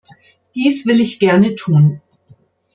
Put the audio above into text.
Dies will ich gerne tun.